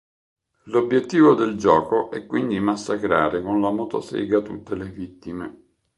L'obiettivo del gioco è quindi massacrare con la motosega tutte le vittime.